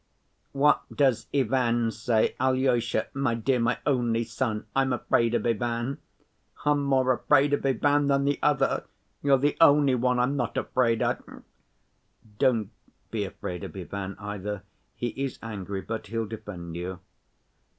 "What does Ivan say? Alyosha, my dear, my only son, I'm afraid of Ivan. I'm more afraid of Ivan than the other. You're the only one I'm not afraid of...." "Don't be afraid of Ivan either. He is angry, but he'll defend you."